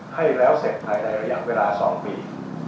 ให้แล้วเสร็จภายในระยะเวลา๒ปี